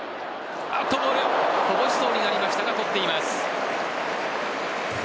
ボールをこぼしそうになりましたが捕っています。